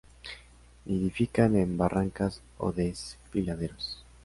Nidifican en barrancas o desfiladeros.